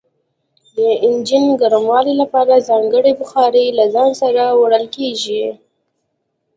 د انجن ګرمولو لپاره ځانګړي بخارۍ له ځان سره وړل کیږي